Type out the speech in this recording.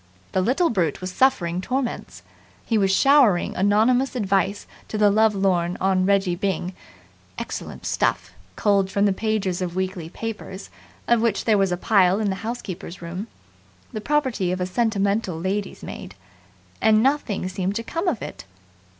The little brute was suffering torments. He was showering anonymous Advice to the Lovelorn on Reggie Byng excellent stuff, culled from the pages of weekly papers, of which there was a pile in the housekeeper's room, the property of a sentimental lady's maid and nothing seemed to come of it.